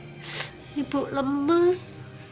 tapi ibu lemes